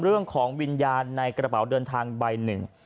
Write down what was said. เรื่องของวิญญาณในกระเป๋าเดินทางใบหนึ่ง